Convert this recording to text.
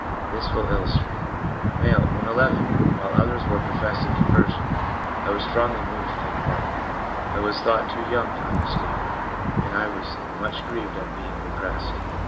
This will illus trate : M. 'When n, while others were professing conversion, I was strongly moved to take part. I was thought too young to understand, and 1 was much grieved at being repressed.